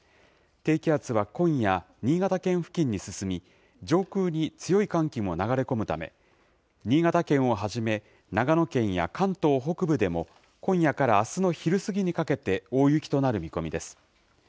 低気圧は今夜、新潟県付近に進み、上空に強い寒気も流れ込むため、新潟県をはじめ、長野県や関東北部でも、今夜からあすの昼過ぎにかけて大雪となる見込みです。